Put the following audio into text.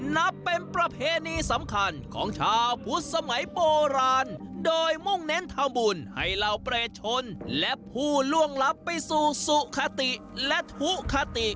นับเป็นประเพณีสำคัญของชาวพุทธสมัยโบราณโดยมุ่งเน้นทำบุญให้เหล่าเปรชนและผู้ล่วงลับไปสู่สุขติและทุกคติ